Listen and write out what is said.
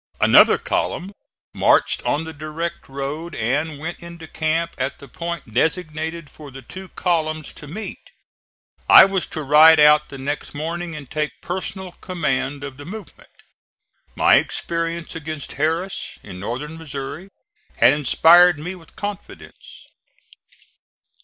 Another column marched on the direct road and went into camp at the point designated for the two columns to meet. I was to ride out the next morning and take personal command of the movement. My experience against Harris, in northern Missouri, had inspired me with confidence.